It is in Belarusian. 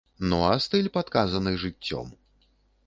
Ну, а стыль падказаны жыццём.